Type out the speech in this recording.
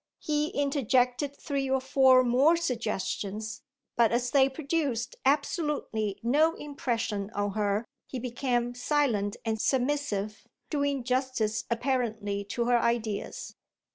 He interjected three or four more suggestions, but as they produced absolutely no impression on her he became silent and submissive, doing justice apparently to her ideas.